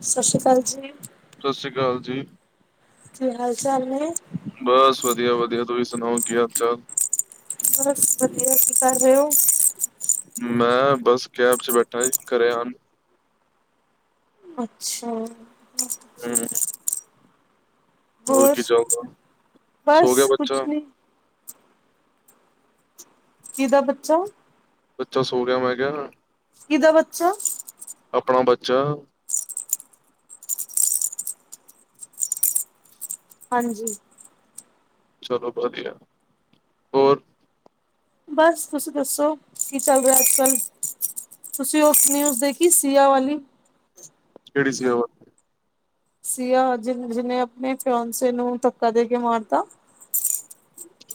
ਸਤਿ ਸ੍ਰੀ ਅਕਾਲ ਜੀ। ਸਤਿ ਸ੍ਰੀ ਅਕਾਲ ਜੀ। ਕੀ ਹਾਲ ਚਾਲ ਨੇ? ਬਸ, ਵਦੀਆ, ਵਦੀਆ ਤੁਸੀਂ ਸੁਨਾਓ ਕੀ ਹਾਲ-ਚਾਲ? ਬਸ ਵਧੀਆ, ਕੀ ਕਰ ਰਏ ਓ? ਮੈਂ, ਬਸ ਕੈਬ ਚ ਬੈਠਾ ਸੀ ਘਰੇ ਆਨ ਅੱਛਾ। ਹੂੰ। ਹੋਰ, ਕੀ ਚੱਲਦਾ? ਸੋ ਬਸ ਗਿਆ ਬੱਚਾ? ਕੁਛ ਨੀ। ਕਿਦਾ ਬੱਚਾ? ਬੱਚਾ ਸੌ ਗਿਆ ਮੈਂ ਕਿਹਾ। ਕਿਹਦਾ ਬੱਚਾ। ਆਪਣਾ ਬੱਚਾ। ਹਾਂਜੀ। ਚਲੋ ਵਧੀਆ ਹੈ। ਬਸ ਤੁਸੀਂ ਦੱਸੋ ਕੀ ਚੱਲ ਰਿਹਾ ਅੱਜ ਕੱਲ। ਤੁਸੀਂ ਉਸ ਨਿਊਜ਼ ਦੇਖੀ ਸੀਆ ਵਾਲੀ। ਕਿਹੜੀ ਸੀ ਉਹ। ਸੀਆ ਜਿਵੇਂ ਜਿਹਨੇ ਆਪਣੇ ਫਿਆਉਣ ਨੂੰ ਧੱਕਾ ਦੇ ਕੇ ਮਾਰਤਾ।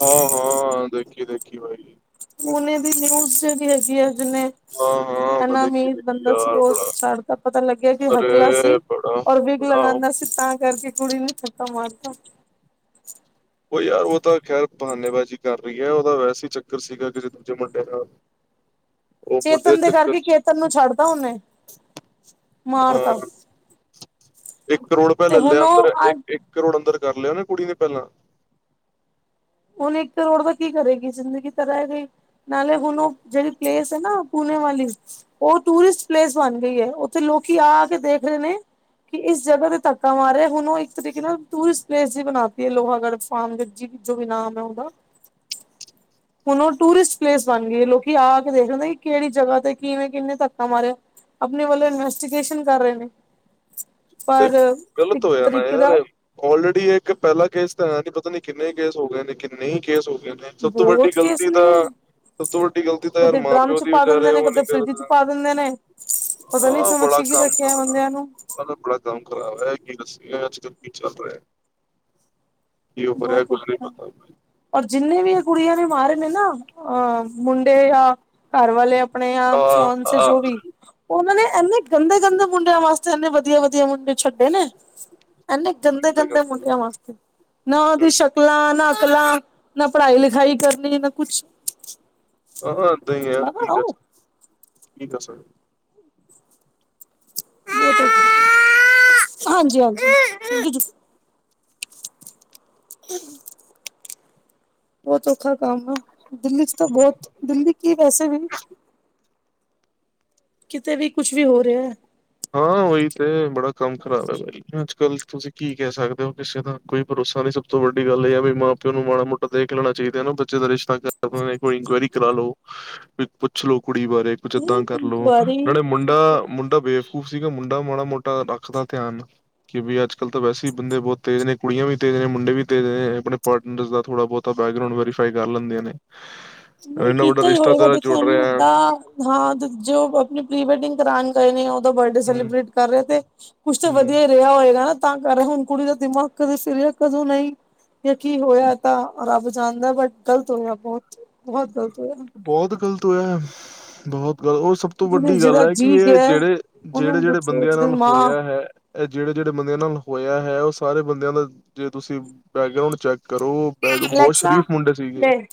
ਹਾਂ ਹਾਂ ਦੇਖੀ ਦੇਖੀ ਭਾਈ। ਉਹ ਨੇ ਵੀ ਨਿਊਜ਼ ਜਿਹੜੀ ਹੈਗੀ ਆ ਜਿਨੇ। ਹਾਂ-ਹਾਂ, ਮੈਂ ਹਨਾ ਅਮੀਰ ਦੇਖੀ-ਦੇਖੀ ਬੰਦਾ ਸੀ। ਯਾਰ ਉਹ ਬੜਾ ਸਾਡੇ ਦਾ ਪਤਾ ਲੱਗਿਆ ਕਿ ਹਕਲਾ ਅਰੇ ਸੀ। ਬੜਾ, ਔਰ ਵਿਗ ਬੜਾ ਲਗਾਉਂਦਾ ਸੀ। ਤਾਂ ਕਰਕੇ ਕੁੜੀ ਨੇ ਧੱਕਾ ਮਾਰਤਾ। ਉਹ ਯਾਰ ਉਹ ਤਾਂ ਖੈਰ ਬਹਾਨੇਬਾਜੀ ਕਰ ਰਹੀ ਹੈ। ਉਹਦਾ ਵੈਸੇ ਹੀ ਚੱਕਰ ਸੀਗਾ ਕਿ ਜੇ ਦੂਜੇ ਮੁੰਡੇ ਨਾਲ। ਉਹ ਮੁੰਡੇ ਚੇਤਨ ਦੇ ਚੱਕਰ ਕਰਕੇ 'ਚ ਕੇਤਨ ਨੂੰ ਛੱਡਦਾ ਉਹ ਨੇ। ਹਾਂ ਇੱਕ ਕਰੋੜ ਰੁਪਇਆ ਤੇ ਲੈ ਲਿਆ ਹੁਣ ਅੰਦਰ ਉਹ ਇੱਕ ਇੱਕ। ਕਰੋੜ ਅੰਦਰ ਕਰ ਲਿਆ ਨਾ ਕੁੜੀ ਨੇ ਪਹਿਲਾਂ। ਹੁਣ ਇੱਕ ਕਰੋੜ ਦਾ ਕੀ ਕਰੇ ਗੀ ਜ਼ਿੰਦਗੀ ਤਾ ਰਹੇ ਗਈ। ਨਾਲੇ ਹੁਣ ਉਹ ਜਿਹੜੀ ਪਲੇਸ ਹੈ ਨਾ ਪੂਣੇੇ ਵਾਲੀ। ਉਹ ਟੂਰਿਸਟ ਪਲੇਸ ਬਣ ਗਈ ਹੈ। ਉੱਥੇ ਲੋਕੀ ਆ ਆ ਕੇ ਦੇਖ ਰਹੇ ਨੇ। ਕਿ ਇਸ ਜਗ੍ਹਾ ਤੇ ਧੱਕਾ ਮਾਰ ਰਿਹਾ ਹੈ। ਹੁਣ ਉਹ ਇੱਕ ਤਰੀਕੇ ਨਾਲ ਟੂਰਿਸਟ ਪਲੇਸ ਹੀ ਬਣਾਤੀ ਹੈ। ਲੋਹਾਗੜ੍ਹ ਫਾਮ ਵਿੱਚ। ਜੋ ਵੀ ਨਾਮ ਹੈ ਉਹਦਾ। ਹੁਣ ਉਹ ਟੂਰਿਸਟ ਪਲੇਸ ਬਣ ਗਈ ਲੋਕੀ ਆ ਕੇ ਦੇਖ ਲੈਂਦੇ ਹੈਂ। ਕਿਹੜੀ ਜਗ੍ਹਾ ਤੇ ਕਿਵੇਂ ਕਿੰਨੇ ਧੱਕਾ ਮਾਰਿਆ। ਆਪਣੇ ਵੱਲੋਂ ਇਨਵੈਸਟੀਗੇਸ਼ਨ ਕਰ ਰਹੇ ਨੇ ਪਰ ਇੱਕ ਤਰੀਕੇ ਦਾ। ਔਲਰੇਡੀ ਇਹ ਇੱਕ ਪਹਿਲਾ ਕੇਸ ਤਾਂ ਹੈ ਨੀ ਪਤਾ ਨੀ ਕਿੰਨੇ ਕੇਸ ਹੋ ਗਏ ਨੇ। ਨਹੀਂ ਕੇਸ ਹੋ ਗਏ ਨੇ ਸਭ ਤੋਂ ਵੱਡੀ ਬਹੁਤ ਕੇਸ ਗ਼ਲਤੀ ਨੇ ਤਾਂ। ਸਭ ਤੋਂ ਵੱਡੀ ਗ਼ਲਤੀ ਤਾਂ ਯਾਰ ਕਦੇ ਮਾਂ ਡਰਮ ਪਿਓ ਚ ਦੀ ਪਾ ਵਿਚਾਰੇ ਦਿੰਦੇ ਨੇ ਉਹ ਕਦੇ ਨੀ ਫਰਿੱਜ ਚ ਕਰਨ। ਪਾ ਦਿੰਦੇ ਨੇ ਪਤਾ ਨੀ ਆਹ ਸਮਝ ਚ ਬੜਾ ਕੀ ਕੰਮ ਰੱਖਿਆ ਗ਼ਲਤ ਹੈ। ਬੰਦਿਆਂ ਨੂੰ ਬੜਾ ਕੰਮ ਖ਼ਰਾਬ ਹੈ ਕਿ ਦੱਸੀਏ ਅੱਜ ਕੱਲ ਕੀ ਚੱਲ ਰਿਹਾ। ਕੀ ਹੋ ਰਿਹਾ ਬਹੁਤ ਕੁੱਝ ਨਹੀਂ ਅੋਖਾ। ਪਤਾ ਔਰ ਜਿੰਨੇ ਵੀ ਇਹ ਕੁੜੀਆਂ ਨੇ ਮਾਰੇ ਨੇ ਨਾ ਅ ਮੁੰਡੇ ਆ ਘਰ ਵਾਲੇ ਆਪਣੇ ਯਾ ਹਾਂ ਫਿੳਨਸੇ ਹਾਂ ਜੋ ਵੀ। ਉਹਨਾਂ ਨੇ ਇੰਨੇ ਗੰਦੇ ਗੰਦੇ ਮੁੰਡਿਆਂ ਵਾਸਤੇ ਇੰਨੇ ਵਧੀਆ ਵਧੀਆ ਮੁੰਡੇ ਛੱਡੇ ਨੇ। ਐਨੇ ਗੰਦੇ ਗੰਦੇ ਮੁੰਡਿਆਂ ਵਾਸਤੇ ਨਾ ਉਹਦੀ ਸ਼ਤੀ ਨਕਲਾਂ ਨਾ ਅਕਲਾਂ ਨਾ ਪੜ੍ਹਾਈ ਲਿਖਾਈ ਕਰਨੀ ਨਾ ਕੁਛ। ਅਹ ਏਦਾ ਹੀ ਆ ਕੀ ਕਰ ਸਕਦੇ ਕੀ ਕਰ ਸਕਦੇ। ਹਾਂਜੀ ਹਾਂਜੀ। [inaudible] ਬਹੁਤ ਔਖਾ ਕੰਮ ਹੈ ਦਿੱਲੀ ਚ ਤਾਂ ਬਹੁਤ ਦਿੱਲੀ ਕੀ ਵੈਸੇ ਵੀ। ਕਿਤੇ ਵੀ ਕੁਛ ਵੀ ਹੋ ਰਿਹਾ। ਹਾਂ ਉਹੀ ਤੇ ਬੜਾ ਕੰਮ ਖਰਾਬ ਹੈ ਬਾਈ ਅੱਜ ਕੱਲ ਤੁਸੀਂ ਕੀ ਕਹਿ ਸਕਦੇ ਹੋ ਕਿਸੇ ਦਾ ਕੋਈ ਭਰੋਸਾ ਨਹੀਂ ਸਭ ਤੋਂ ਵੱਡੀ ਗੱਲ ਇਹ ਹੈ ਵੀ ਮਾਂ ਪਿਓ ਨੂੰ ਮਾੜਾ ਮੋਟਾ ਦੇਖ ਲੈਣਾ ਚਾਹੀਦਾ ਬੱਚੇ ਦਾ ਰਿਸ਼ਤਾ ਕਰ ਕੋਈ ਇਨਕੁਆਇਰੀ ਕਰਾ ਲੋ। ਪੁੱਛ ਲੋੋ ਕੁੜੀ ਬਾਰੇ ਕੁਝ ਇਦਾਂ ਹੁਣ ਕਰਲੋ ਇਨਕੁਆਇਰੀ ਨਾਲੇ ਮੁੰਡਾ ਮੁੰਡਾ ਬ। ਬੇਵਕੂਫ ਸੀਗਾ ਮੁੰਡਾ ਮਾੜਾ ਮੋਟਾ ਰੱਖਦਾ ਧਿਆਨ। ਕਿ ਵੀ ਅੱਜ ਕੱਲ ਤਾਂ ਵੈਸੇ ਬੰਦੇ ਬਹੁਤ ਤੇਜ਼ ਨੇ ਕੁੜੀਆਂ ਵੀ ਤੇਜ਼ ਨੇ ਮੁੰਡੇ ਵੀ ਤੇਜ਼ ਨੇ ਆਪਣੇ ਪਾਰਟਨਰ ਦਾ ਥੋੜਾ ਬਹੁਤ। ਤਾਂ ਬੈਕਗਰਾਊਂਡ ਵੈਰੀਫਾਈ ਕਰ ਲੈਂਦੀਆਂ ਨੇ। ਨਹੀਂ ਇੰਨਾ ਵੱਡਾ ਕੀਤਾ ਹੀ ਰਿਸ਼ਤਾ ਹੋਏਗਾ ਤਾਂ ਦੇਖੋ ਜੁੜ ਇੰਨੀ ਰਿਹਾ ਹੈ। ਵੱਡਾ। ਹਾਂ ਜੋ ਆਪਣੀ ਪ੍ਰੀ ਵੈਡਿੰਗ ਕਰ ਗਏ ਨੇ ਉਹਦਾ ਬਰਡੇ ਹੂੰ, ਸੈਲੀਬ੍ਰਟ ਕਰ ਰਿਹਾ ਤੇ। ਕੁਛ ਤਾਂ ਹੂੰ, ਵਧੀਆ ਹੀ ਰਿਹਾ ਹੋਏਗਾ ਤਾਂ ਕਰ ਹੁਣ ਕੁੜੀ ਦਾ ਦਿਮਾਗ ਕਦੇ ਫਿਰਿਆ ਕਦੋਂ ਨਹੀਂ। ਯ ਕੀ ਹੋਇਆ ਤਾਂ ਰੱਬ ਜਾਣਦਾ ਬਟ ਗ਼ਲਤ ਹੋਇਆ ਬਹੁਤ ਬਹੁਤ ਗ਼ਲਤ ਹੋਇਆ। ਬਹੁਤ ਗ਼ਲਤ ਹੋਇਆ ਬਹੁਤ ਗਲਤ ਹੋ ਸਭ ਸਭ ਤੋਂ ਜਿਹਦੇ ਵੱਡੀ ਗੱਲ ਜਿਹਦਾ ਹੈ ਕਿ ਜੀਅ ਇਹ ਗਿਆ ਜਿਹੜੇ ਜਿਹੜੇ ਉਹਨੂੰ ਜਿਹੜੇ ਪੁੱਛੋ ਬੰਦਿਆਂ ਜਿਹਦੀ ਨਾਲ ਮਾਂ ਹੋਇਆ ਹੈ। ਇਹ ਜਿਹੜੇ ਜਿਹੜੇ ਬੰਦਿਆਂ ਨਾਲ ਹੋਇਆ ਹੈ ਉਹ ਸਾਰੇ ਬੰਦਿਆਂ ਦਾ ਜੇ ਤੁਸੀਂ ਬੈਕਗਰਾਊਂਡ ਚੈੱਕ ਕਰੋ ਬੈ ਬਹੁਤ ਅਲੈਕਸਾ ਸ਼ਰੀਫ ਮੁੰਡੇ ਸੀਗੇ। ਪਲੇ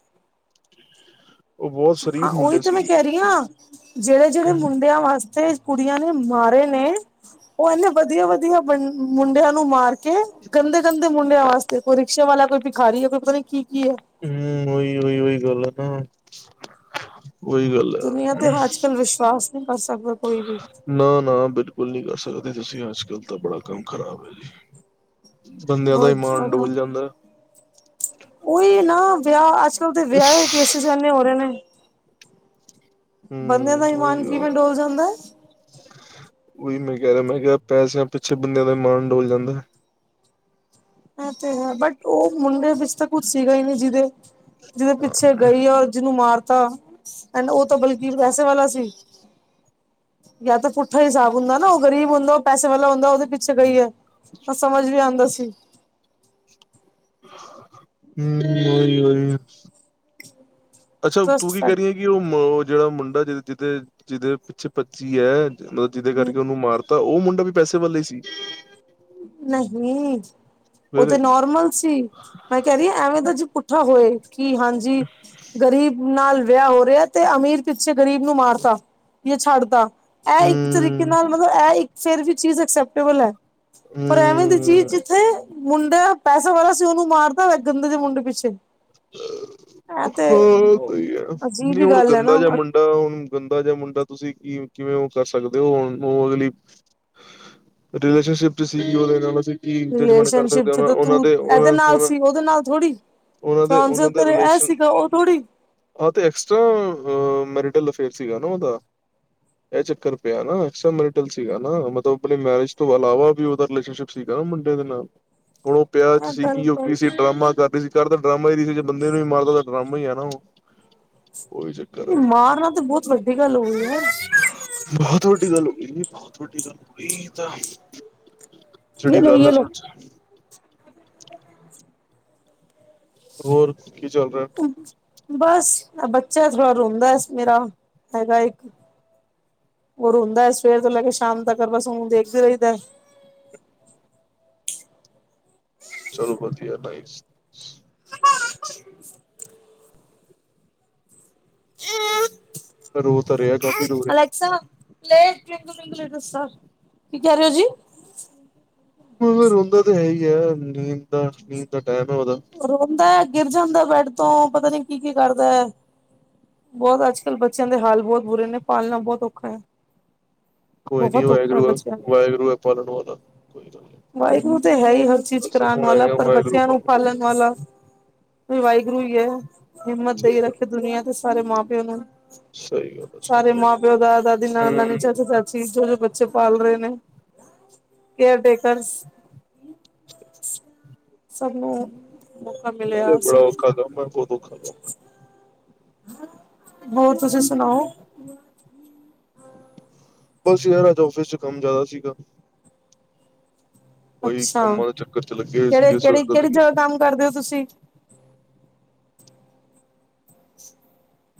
ਉਹ ਬਹੁਤ ਹਾਂ ਸ਼ਰੀਫ ਉਹੀ ਮੁੰਡੇ ਤੇ ਮੈਂ ਸੀਗੇ ਕਹਿ ਰਹੀ ਹਾਂ ਜਿਹੜੇ ਜਿਹੜੇ ਮੁੰਡਿਆਂ ਵਾਸਤੇ ਕੁੜੀਆਂ ਨੇ ਮਾਰੇ ਨੇ ਉਹ ਇਨੇ ਵਧੀਆ ਵਧੀਆੰ ਮੁੰਡਿਆਂ ਨੂੰ ਮਾਰ ਕੇ ਕੇ ਗੰਦੇ ਗੰਦੇ ਮੁੰਡਿਆਂ ਵਾਸਤੇ ਕੋਈ ਰਿਕਸ਼ੇ ਵਾਲਾ ਕੋਈ ਭਿਖਾਰੀ ਹੈ ਕੋਈ ਪਤਾ ਨੀ ਕੀ ਕੀ ਹੈ। ਹਮ ਉਹੀ ਉਹੀ ਉਹੀ ਗੱਲ ਹੈ ਨਾ। ਉਹੀ ਗੱਲ ਹੈ ਦੁਨੀਆਂ ਤੇ ਅੱਜ ਕੱਲ ਵਿਸ਼ਵਾਸ ਨਹੀਂ ਕਰ ਸਕਦਾ ਕੋਈ ਵੀ। ਨਾ ਨਾ ਬਿਲਕੁਲ ਨਹੀਂ ਕਰ ਸਕਦੇ ਤੁਸੀਂ ਅੱਜਕੱਲ ਤਾਂ ਬੜਾ ਕੰਮ ਖ਼ਰਾਬ ਹੈ ਜੀ। ਬੰਦਿਆਂ ਦਾ ਬਹੁਤ ਇਮਾਨ ਡੁਲ ਜਾਂਦਾ। ਓਹੀ ਨਾ ਵਿਆਹ ਅੱਜ ਕੱਲ ਤਾਂ ਵਿਆਹ ਦੇ ਕੇਸਿਸ ਏਨੇ ਹੋ ਰਹੇ ਨੇ। ਬੰਦਿਆਂ ਹਮ ਦਾ ਇਮਾਨ ਉਹੀ ਕਿਵੇਂ ਉਹੀ ਡੋਲ ਜਾਂਦਾ। ਉਹੀ ਮੈਂ ਕਹਿ ਰਿਹਾ ਮੈਂ ਕਿਹਾ ਪੈਸਿਆਂ ਪਿੱਛੇ ਬੰਦਿਆਂ ਦਾ ਮਾਣ ਡੋਲ ਜਾਂਦਾ। ਇਹ ਤੇ ਹੈ ਬਟ ਉਹ ਮੁੰਡੇ ਵਿੱਚ ਤਾਂ ਕੁੱਛ ਸੀਗਾ ਹੀ ਨਹੀਂ ਜਿਹਦੇ ਜਿਹਦੇ ਪਿੱਛੇ ਗਈ ਔਰ ਜਿਹਨੂੰ ਮਾਰਤਾ। ਐਂਡ ਉਹ ਤਾਂ ਬਲਕਿ ਪੈਸੇ ਵਾਲਾ ਸੀ। ਜਾਂ ਤਾਂ ਪੁੱਠਾ ਹਿਸਾਬ ਹੁੰਦਾ ਨਾ ਉਹ ਗਰੀਬ ਹੁੰਦਾ ਉਹ ਪੈਸੇ ਵਾਲਾ ਹੁੰਦਾ ਉਹਦੇ ਪਿੱਛੇ ਗਈ ਹੈ। ਤਾਂ ਸਮਝ ਵੀ ਆਉਂਦਾ ਸੀ। ਹਮ ਅੱਛਾ ਤੂੰ ਜਸਟ ਕੀ ਕਹਿ ਰਹੀ ਫੈਕਟ ਹੈ? ਕਿ ਉਹ ਉਹ ਜਿਹੜਾ ਮੁੰਡਾ ਜ ਜਿਹਦੇ ਜਿਹਦੇ ਪਿੱਛੇ ਪੱਚੀ ਹੈ ਮਤਲਬ ਜਿਹਦੇ ਕਰਕੇ ਉਹਨੂੰ ਮਾਰ ਤਾਂ ਉਹ ਮੁੰਡਾ ਵੀ ਪੈਸੇ ਵਾਲਾ ਹੀ ਸੀ। ਨਹੀਂ ਉਹ ਫਿਰ ਤੇ ਨੋਰਮਲ ਸੀ। ਮੈਂ ਕਹਿ ਰਹੀ ਹਾਂ ਐਵੇਂ ਤਾਂ ਜੀ ਪੁੱਠਾ ਹੋਏ ਕਿ ਹਾਂਜੀ ਗਰੀਬ ਨਾਲ ਵਿਆਹ ਹੋ ਰਿਹਾ ਤੇ ਅਮੀਰ ਪਿੱਛੇ ਗ਼ਰੀਬ ਨੂੰ ਮਾਰਤਾ ਵੀ ਛੱਡਤਾ। ਇਹ ਇੱਕ ਤਰੀਕੇ ਹੂੰ ਨਾਲ ਮਤਲਬ ਇਹ ਇੱਕ ਫੇਰ ਵੀ ਚੀਜ਼ ਅਕਸੈਪਟੇਬਲ ਹੈ। ਪਰ ਐਵੇਂ ਦੀ ਜੀ ਹੂੰ ਜਿੱਥੇ ਮੁੰਡੇ ਪੈਸੇ ਵਾਲਾ ਸੀ ਉਹਨੂੰ ਮਾਰਤਾ ਗੰਦੇ ਜੇ ਮੁੰਡੇ ਪਿੱਛੇ। ਇਹ ਤੇ ਹਾਂ ਸਹੀ ਹੈ ਅਜੀਬ ਨਹੀਂ ਹੀ ਹੁਣ ਗੱਲ ਹੈ ਗੰਦਾ ਨਾ ਜਿਹਾ ਮੁੰਡਾ ਮੁੰਡਾ ਹੁਣ ਗੰਦਾ ਜਿਹਾ ਮੁੰਡਾ ਤੁਸੀਂ ਕਿ ਕਿਵੇਂ ਉਹ ਕਰ ਸਕਦੇ ਹੋ ਹੁਣ ਉਹ ਅਗਲੀ ਰਿਲੇਸ਼ਨਸ਼ਿਪ 'ਚ ਸੀਗੀ ਉਹਦੇ ਨਾਲ ਅਸੀਂ ਕੀ ਜੱਜਮੈਂਟ ਕਰ ਰਿਲੇਸ਼ਨਸ਼ਿਪ ਸਕਦੇ ਚ ਹ ਤਾਂ ਉਹਨਾਂ ਤੂੰ ਦੇ ਇਹਦੇ ਨਾਲ ਉਹ ਸੀ ਉਹਦੇ ਨਾਲ ਥੋੜ੍ਹੀ ਉਹਨਾਂ ਦੇ ਫਿਆਂਸੀ ਉਹਨਾਂ ਦੇ ਤੇਰੇ ਇਹ ਰਿਲੇਸ਼ਨ ਸੀਗਾ ਉਹ ਥੋੜ੍ਹੀ ਆਹ ਤੇ ਐਕਸਟਰਾ ਮੈਰੀਟਲ ਅਫੇਅਰ ਸੀਗਾ ਨਾ ਉਹਦਾ ਇਹ ਚੱਕਰ ਪਿਆ ਨਾ ਐਕਸਟਰੀਲ ਸੀਗਾ ਨਾ ਮਤਲਬ ਆਪਣੀ ਮੈਰਿਜ ਤੋਂ ਇਲਾਵਾ ਵੀ ਉਹਦਾ ਰਿਲੇਸ਼ਨਸ਼ਿਪ ਸੀਗਾ ਨਾ ਮੁੰਡੇ ਦੇ ਨਾਲ ਹੁਣ ਉਹ ਪਿਆਰ 'ਚ ਇਹ ਗੱਲ ਸੀਗੀ ਉਹ ਕੀ ਗੱਲ ਸੀ ਡਰਾਮਾ ਕਰਦੀ ਸੀ ਕਰ ਦਾ ਡਰਾਮਾ ਹੀ ਰ ਸੀੇ ਬੰਦੇ ਨੂੰ ਵੀ ਮਾਰਦੋ ਡਰਾਮਾ ਹੀ ਹੈ ਨਾ ਉਹ ਉਹੀ ਚੱਕਰ ਨਹੀਂ ਹੈ ਮਾਰਨਾ ਤੇ ਬਹੁਤ ਵੱਡੀ ਗੱਲ ਹੋ ਗਈ ਐ। ਬਹੁਤ ਵੱਡੀ ਗੱਲ ਹੋਈ ਜ ਬਹੁਤ ਵੱਡੀ ਗੱਲ ਹੋਈ ਏ ਤਾਂ ਇਹ ਜਿਹੜੀ ਲੋ ਗੱਲ ਯੇ ਆ ਸ ਲੋ। ਹੋਰ ਕੀ ਚੱਲ ਰਿਹਾ। ਬਸ ਬੱਚਾ ਥੋੜਾ ਰੋਂਦਾ ਮੇਰਾ ਹੈਗਾ ਇੱਕ ਉਹ ਰੋਂਦਾ ਹੈ ਸਵੇਰ ਤੋਂ ਲੈ ਕੇ ਸ਼ਾਮ ਤੱਕ ਬਸ ਹੁਣ ਦੇਖਦੇ ਰਹਿੰਦਾ। ਚਲੋ ਵਧੀਆ ਨਾਇਸ। ਰੋ ਤਾਂ ਰਿਆ ਅਲੈਕਸਾ [unintelligible] ਕੀ ਕਹਿ ਰਹੇ ਹੋ ਜੀ? ਰੋਂਦਾ ਤਾਂ ਹੈ ਹੀ ਹੈ ਨੀਂਦ ਨੀਂਦ ਦਾ ਟਾਈਮ ਹੈ ਉਹਦਾ। ਰੋਂਦਾ ਹੈ ਗਿਰ ਜਾਂਦਾ ਬੈਡ ਤੋਂ ਪਤਾ ਨੀ ਕੀ ਕੀ ਕਰਦਾ ਹੈ। ਬਹੁਤ ਅੱਜ ਕਲ੍ਹ ਬੱਚਿਆਂ ਦੇ ਹਾਲ ਬਹੁਤ ਬੁਰੇ ਨੇ ਪਾਲਣਾ ਬਹੁਤ ਔਖਾ ਹੈ। ਕੋਈ ਨੀ ਬਹੁਤ ਔਖਾ ਵਾਹਿਗੁਰੂ ਹੈ ਬੱਚਿਆਂ ਨੂੰ। ਵਾਹਿਗੁਰੂ ਹੈ ਪਾਲਣ ਵਾਲਾ ਵਾਹਿਗੁਰੂ ਤੇ ਹੈ ਹੀ ਹਰ ਚੀਜ਼ ਅਸੀਂ ਕਰਾਉਣ ਹੁਣ ਵਾਲਾ ਹੈਗੇ ਆ ਪਰ ਵਾਹਿਗੁਰੂ ਬੱਚਿਆਂ ਨੂੰ ਪਾਲਣ ਵਾਲਾ ਵਾਹਿਗੁਰੂ ਹੀ ਹੈ ਹਿੰਮਤ ਠੀਕ ਦੇਈ ਹੈ ਰੱਖੇ ਦੁਨੀਆਂ ਦੇ ਸਾਰੇ ਮਾਂ ਪਿਓ ਨੂੰ ਸਹੀ ਗੱਲ ਹੈ, ਸਹੀ ਸਾਰੇ ਗੱਲ। ਮਾਂ ਪਿਓ ਦਾ ਦਾਦੀ ਨ ਨਾਨੀ ਹੂੰ। ਚਾਚੇ ਚਾਚੀ ਜੋ- ਜੋ ਬੱ ਬਛੇ ਪਾਲ ਰਹੇ ਨੇ ਕੇਅਰ ਟੇਕਰਸ ਸਭ ਨੂੰ ਮੌਕਾ ਅਰੇ ਮਿਲਿਆ ਬੜਾ ਸਭ ਔਖਾ ਕੰਮ ਬਹੁਤ ਔਖਾ ਕੰਮ ਏ। ਹੋਰ ਤੁਸੀਂ ਸੁਣਾਓ। ਬਸ ਯਾਰ ਅਜ ਆਫਿਸ 'ਚ ਕੰਮ ਜ਼ਿਆਦਾ ਸੀਗਾ। ਉਹੀ ਅੱਛਾ ਕੰਮਾਂ ਦੇ ਚੱਕਰ 'ਚ ਲੱਗੇ ਹੋਏ ਕਿਹੜੇ ਸੀਗੇ ਸਵੇਰ ਕਿਹੜੀ- ਤੋਂ ਲੈ ਕਿਹੜੀ ਕੇ ਜਗ੍ਹਾ ਸ਼ਾਮ। ਕੰਮ ਕਰਦੇ ਹੋ ਤੁਸੀਂ [inaudible]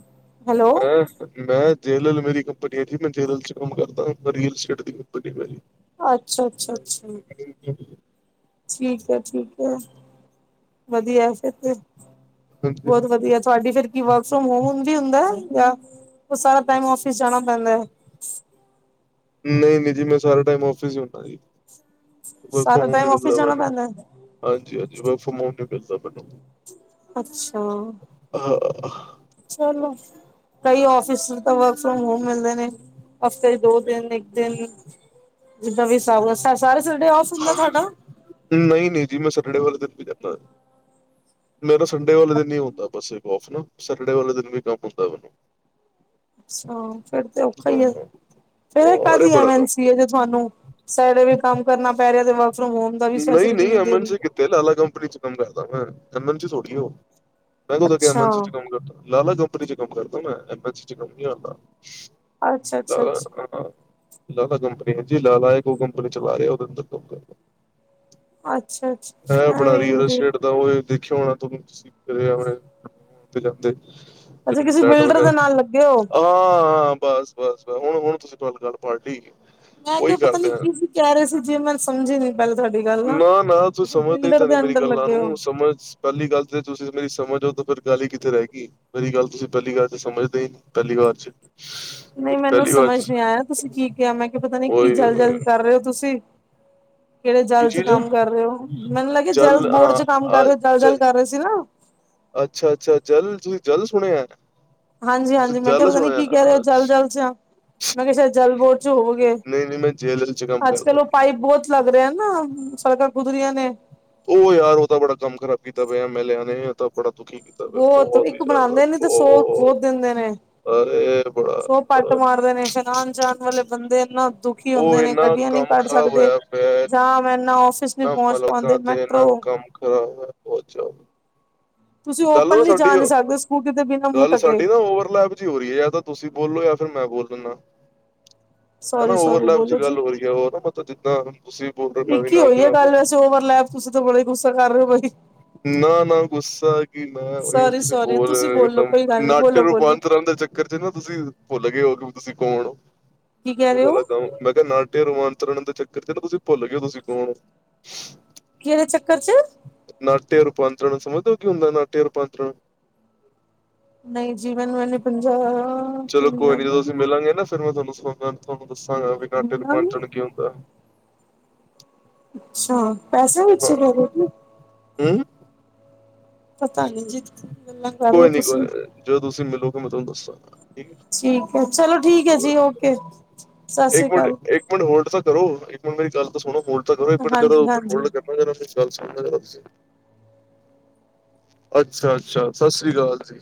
ਹੈਲੋ [unintelligible] ਮੈਂ ਜੇਲਲ ਮੇਰੀ ਕੰਪਨੀ ਹੈ ਜੀ ਮੈਂ ਜੇਲਲ 'ਚ ਕੰਮ ਕਰਦਾ ਰੀਅਲਸਟੇਟ ਦੀ ਕੰਪਨੀ ਮੇਰੀ ਅੱਛਾ- ਅੱਛਾ -ਅੱਛਾ [inaudible] ਠੀਕ ਹੈ ਠੀਕ ਹੈ ਵਧੀਆ ਫਿਰ ਬਹੁਤ ਵਧੀਆ ਤੁਹਾਡੀ ਫਿਰ ਕੀ ਵਰਕ ਫਰੋਮ ਹੋਮ ਵੀ ਹੁੰਦਾ ਹੈ ਜਾਂ ਉਹ ਸਾਰਾ ਟਾਈਮ ਆਫਿਸ ਜਾਣਾ ਪੈਂਦਾ। ਨਹੀਂ -ਨਹੀਂ ਜੀ ਮੈਂ ਸਾਰਾ ਟਾਈਮ ਔਫਿਸ ਹੀ ਹੁੰਦਾ ਜੀ। ਵਰਕ ਫਰੋਮ ਸਾਰਾ ਹੋਮ ਟਾਈਮ ਨੀ ਆਫਿਸ ਮਿਲਦਾ ਜਾਣਾ ਮੈਨੂੰ ਪੈਂਦਾ ਹੈ ਹਾਂਜੀ ਹਾਂਜੀ ਵਰਕ ਫਰੋਮ ਹੋਮ ਨੀ ਮਿਲਦਾ ਮੈਨੂੰ ਅੱਛਾ ਹਾਂ, ਚਲੋ। ਕਈ ਫਿਸ ਤਾਂ ਵਰਕ ਫਰੋਮ ਹੋਮ ਮਿਲਦੇ ਨੇ ਹਫ਼ਤੇ ਦੋ ਦਿਨ ਇੱਕ ਦਿਨ ਜਦਾਂ ਵੀ ਸ ਸਾਰੇ ਸੰਡੇ ਆਫ ਹੁੰਦਾ ਤੁਹਾਡਾ ਨਹੀਂ -ਨਹੀਂ ਜੀ ਮੈਂ ਸੈਟਰਡੇ ਵਾਲੇ ਦਿਨ ਵੀ ਜਾਂਦਾ ਮੇਰਾ ਸੰਡੇ ਵਾਲੇ ਦਿਨ ਨਹੀਂ ਹੁੰ ਬਸ ਔਫ ਨਾ ਸੈਟਰਡੇ ਵਾਲੇ ਦਿਨ ਵੀ ਕੰਮ ਹੁੰਦਾ ਮੈਨੂੰ ਅੱਛਾ ਫੇਰ ਤੇ ਔਖਾ ਹਾਂ। ਆ ਫੇਰ ਹਾਂ, ਅਰੇ ਕਾਹਦੀ ਐਮ ਬੜਾ ਕੰਮ ਐਨ ਸੀ ਜਿ ਤੁਹਾਨੂੰ ਸੈਡੇ ਵੀ ਕੰਮ ਕਰਨਾ ਪੈ ਰਿਹਾ ਤੇ ਵਰਕ ਫਰੋਮ ਹੋਮ ਦਾ ਵੀ ਨਹੀਂ ਫੈਸਿਲਿਟੀ -ਨਹੀਂ ਐਮ ਦੇ ਐਨ ਰਹੀ ਸੀ ਕੀਤੇ ਲਾਲਾ ਕੰਪਨੀ 'ਚ ਕੰਮ ਕਰਦਾ ਮੈਂ ਐਮ ਐਨ ਸੀ ਥੋੜੀ ਉਹ ਮੈਂ ਕੱਦੋ ਕਿਹਾ ਐਮ ਅੱਛਾ ਐਚ ਕੰਮ ਕਰਦਾ ਲਾਲਾ ਕੰਪਨੀ 'ਚ ਕੰਮ ਕਰਦਾ ਮੈਂ ਐਮ ਐਚ ਕੰਮ ਨਹੀਂ ਆਂਦਾ। ਅੱਛਾ ਅੱਛਾ ਅੱਛਾ [unintelligible] ਲਾਲਾ ਕੰਪਨੀ ਹੈ ਜੀ ਲਾਲਾ ਹੈ ਉਹ ਕੰਪਨੀ ਚਲਾ ਰਿਹਾ ਉਹਦੇ ਅੰਦਰ ਕੰਮ ਕਰਦਾ। ਅੱਛਾ ਅੱਛਾ ਇਹ ਬਣਾ ਐਵੇਂ ਰਹੀ ਉਹਦਾ ਹਜੇ ਸ਼ੇੜ ਉਹ ਦੇਖਿਆ ਹੋਣਾ ਤਂ ਤੇ ਜਾਂਦੇ ਅੱਛਾ ਜਿਹੜੇ ਕਿਸਸੀ ਫਲੈਟ ਬਿਲਡਰ ਵਗੈਰਾ ਦੇ ਨਾਲ ਲੱਗੇ ਹੋ ਹਾਂ ਹਾਂ ਬਸ ਬਸ ਬ ਹੁਣ ਹੁਣ ਤੁਸੀਂ ਗੱਲ ਗ ਪਟੀ ਮੈਂ ਕਿਹਾ ਪਤਾ ਨੀ ਕੀ ਸੀ ਕਹਿ ਰਹੇ ਸੀ ਜੇ ਮੈਂ ਸਮਝੀ ਨੀ ਪਹਿਲੇ ਤੁਹਾਡੀ ਗੱਲ ਨਾ ਨਾ ਤੂੰ ਅੱਛਾ ਸਮਝਦੇ ਬਿਲਡਰ ਤਾਂ ਨਹੀਂ ਦੇ ਮੇਰੀ ਅੰਦਰ ਗੱਲਾਂ ਲੱਗੇ ਹੋ ਨੂੰ ਸਮਝ ਪਹਿਲੀ ਗੱਲ ਤੇ ਤੁਸੀਂ ਮੇਰੀ ਸਮਝ ਹੋ ਤਾਂ ਫਿਰ ਗੱਲ ਹੀ ਕਿੱਥੇ ਰਹੇ ਗਈ ਪਹਿਲੀ ਗੱਲ ਤੁਸੀਂ ਪਹਿਲੀ ਵਾਰ ਤੇ ਸਮਝਦੇ ਹੀ ਪਹਿਲੀ ਵਾਰ ਚ [inaudible] ਨਹੀਂ ਮੇਰੀ ਮੈਨੂੰ ਪਹਿਲੀ ਵਾਰ ਸਮਝ ਚ ਨਹੀਂੀ ਆਇਆ ਤੁਸੀਂ ਕੀ ਕਿਹਾ ਮੈਂ ਕਿਹਾ ਪਤਾ ਨ ਕੀ ਓਏ ਜਲ ਜਲਦ ਹੋਏ। ਕਰ ਰਹੇ ਹੋ ਤੁਸੀਂ, ਕਿਹੜੇ ਕੀ ਜਲ ਚ ਚੀਜ਼ ਕੰਮ ਕਰ ਰਹੇ ਹੋ ਮੈਨੂੰ ਲੱਗੇਿਆ ਜਲ ਬੋਰਡ ਚ ਕੰਮ ਕਰ ਰਹੇ ਜਲ ਜਲ ਕਰ ਰਹੇ ਸੀ ਨਾ ਅੱਛਾ ਅੱਛਾ ਜਲਦ ਤੁਸੀਂ ਜਲਦ ਸੁਣਿਆ ਹਾਂਜੀ- ਤੁਸੀਂ ਹਾਂਜੀ ਮੈਂ ਕਿਹਾ ਜਲ ਪਤਾ ਨੀ ਸੁਣਿਆ ਕੀ ਕਹਿ ਰਹੇ ਹੋ ਚਲ ਚਲ 'ਚ ਮੈਂ ਕਿਹਾ ਸ਼ਾਇਦ ਜਲ ਬੋਤ 'ਚ ਹੋ ਗਏ ਨਈ-ਨਈ ਮੈਂ ਜੇਲ੍ਹ ਚ ਕੰਮ ਅੱਜ ਕਰਦਾ ਕੱਲ ਉਹ ਪਾਈਪ ਬਹੁਤ ਲੱਗ ਰਿਹਾ ਨਾ ਸੜਕਾਂ ਕੁਦਰੀਆਂ ਨੇ। ਉਹ ਯਾਰ ਉਹ ਤਾਂ ਬੜਾ ਕੰਮ ਖਰਾਬ ਕੀਤਾ ਪਿਆ ਐਮ ਐਲਿਆ ਨੇ ਬੜਾ ਦੁਖੀ ਪਿਆ ਬਹੁਤ ਹੀ ਇੱਕ ਜ਼ਿਆਦਾ ਬਣਾਂਦੇ ਨੇ ਤੇ ਸੌ ਖੋਦ ਦਿੰਦੇ ਨੇ। ਫੇਰ ਬੜਾ ਸੋ ਪੱਟ ਮਾਰਦੇ ਨੇ ਫਨਾਉਣ ਜਾਣ ਵਾਲੇ ਬੰਦੇ ਇਨਾ ਦੁਖੀ ਓ ਹੁੰਦੇ ਨੇ ਇੰਨਾ ਗੱਡੀਆਂ ਨਹੀਂ ਕੰਮ ਕੱਢ ਖ਼ਰਾਬ ਸਕਦੇ ਹੋਇਆ ਪਿਆ ਜਾਂ ਮੈਨਾ ਫਿਸ ਨਹੀਂੀ ਪਹੁੰਚ ਪਾਉਂਦੇ ਮੈਟਰੋ ਕਮ ਖਰਾ ਚ ਤੁਸੀਂ ਗੱਲ ਨਾ ਓਪਨਲੀ ਸਾਡੀ ਜਾ ਨਹੀਂ ਸਕਦੇ ਸਕੂਟੀ ਤੇ ਬਿਨਾਂ ਮੂੰਹ ਗੱਲ ਟਕੇ ਸਾਡੀ ਨਾ ਓਵਰਲੈਪ ਹੋ ਰਹੀ ਹੈ ਯਾਰ ਤਾਂ ਤੁਸੀਂ ਬੋਲੋ ਜਾਂ ਫਿਰ ਮੈਂ ਬੋਲ ਦਿੰਦਾ ਹਨਾ ਸੋਰੀ ਸੋਰੀ ਓਵਰਲੈਪ ਚ ਬੋਲੋ ਜੀ ਗੱਲ ਹੋ ਰਹੀ ਹੈ ਉਹ ਨਾ ਮਤਲਬ ਜਿੱਦਾਂ ਤੁਸੀਂ ਬੋਲ ਰਹੇ ਮ ਵੀ ਨ, ਕੱਲ ਵੈਸ ਓਵਰਲੈਪ ਤੁਸੀਂ ਤਾਂ ਬੜਾ ਗੁੱਸਾ ਕਰ ਰਹੇ ਹੋ ਬਾਈ ਨਾ ਨਾ ਗੁੱਸਾ ਕੀ ਨਾ ਉਹ ਸੋਰੀ ਤੁਸੀਂ ਸੋਰੀ ਬੋਲ ਤੁਸੀਂ ਰਹੇ ਹੋ ਬੋਲੋ ਇੱਕਦਮ ਕੋਈ ਗੱਲ ਨੀ ਨਾਟੇ ਬੋਲੋ ਬੋਲੋ ਰੂਪਾਂਤਰਾਂ ਦੇ ਚੱਕ ਰ ਜ ਨਾ ਤੁਸੀਂ ਭੁੱਲ ਗਏ ਹੋ ਕਿ ਤੁਸੀਂ ਕੌਣ ਕੀ ਕਹਿ ਉਹ ਰਹੇ ਹੋ ਵਾਲਾ ਗਾ ਮੈਂ ਕਿਹਾ ਨਾਟਿਆ ਰੂਮਾਂਤਰਣ ਦੇ ਚੱਕਰ ਚ ਤੁਸੀਂ ਭੁੱਲ ਗ ਤੁਸੀਂ ਕੌਣ ਕਿਹੜੇ ਚੱਕਰ ਚ ਨਾਟਿਆ ਰੂਪਾਂਤਰਣ ਸਮਝਦਾ ਹੋ ਕੀ ਹੁੰਦਾ ਨਾਟਯ ਰੂਪਾਂਤਰ ਨਹੀਂ ਜੀਵਨ ਮ ਨਹੀਂ ਪੰਜਾਬ ਚਲੋ ਕੋਈ ਨੀ ਜਦੋਂ ਅਸੀਂ ਮਿਲਾਂਗੇ ਨਾ ਫੇਿਰ ਮੈਂ ਤੁਹਾਨੂੰ ਸ ਤੁਹਾਨੂੰ ਦੱਸਾਂਗਾ ਵੀ ਘੰਟੇ ਤੇ ਪਹੁੰਚਣ ਕੀ ਹੁੰਦਾ ਅੱਛਾ ਪੈਸੇ ਵਿੱਚਛੇ ਬ ਹੂੰ ਪਤਾ ਨ ਜੀ ਗੱਲਾਂ ਕਰ ਰਹੇ ਕੋਈ ਹੋ ਨੀ ਤੁਸੀਂ ਕੋਈ ਜੇ ਤੁਸੀਂ ਮਿਲੋਗੇ ਮੈਂ ਤੁਹਾਨੂੰ ਦੱਸਾਂਗਾ ਠੀਕ ਹੈ ਠੀਕ ਹੈ ਚਲੋ ਠੀਕ ਹੈ ਜੀ ਓਕੇ ਸਤਿ ਸ੍ਰੀ ਇੱਕ ਮਿੰਟ ਅਕਾਲ ਇੱਕ ਮਿੰਟ ਹੋਲਡ ਤਾਂ ਕਰੋ, ਇੱਕ ਮਿੰਟ ਮੇਰੀ ਗੱਲ ਤਾਂ ਸੁਣੋ ਹੋਲਡ ਤਾਂ ਕਰੋ, ਇੱਕ ਮਿੰਟ ਜਦੋਂ ਹਾਂਜੀ ਮਿੰਟ ਹਾਂਜੀ ਹੋਲਡ ਕਰ ਮਜ਼ਾਰ ਅ ਚਲ ਮਜ਼ ਅੇ ਅੱਛਾ ਅੱਛਾ ਸਤਿ ਸ੍ਰੀ ਅਕਾਲ ਜੀ